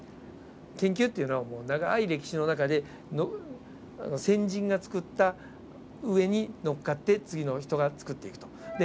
研究っていうのは長い歴史の中で先人が作った上に乗っかって次の人が作っていくと。